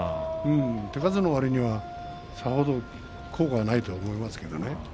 手数のわりにはわりと効果はないと思いますけどね。